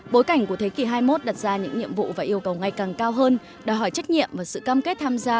bối cảnh của thế kỷ hai mươi một đặt ra những nhiệm vụ và yêu cầu ngày càng cao hơn đòi hỏi trách nhiệm và sự cam kết tham gia